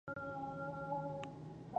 دریشي د خیاط ماهرت ته اړتیا لري.